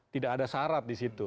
tidak ada syarat di situ